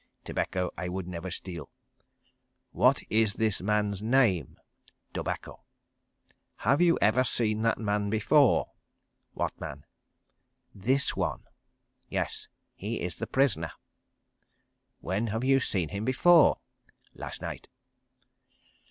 "Tobacco I would never steal." "What is this man's name?" "Tobacco." "Have you ever seen that man before?" "What man?" "This one." "Yes. He is the prisoner." "When have you seen him before?" "Last night."